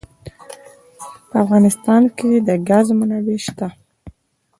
په افغانستان کې د ګاز منابع شته.